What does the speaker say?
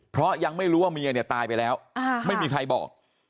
เพราะยังไม่รู้ว่าเมียเนี่ยตายไปแล้วไม่มีใครบอก